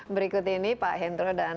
berikut ini pak hendro dan